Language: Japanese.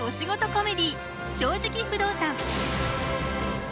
コメディー「正直不動産」。